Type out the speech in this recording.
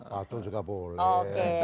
pacul juga boleh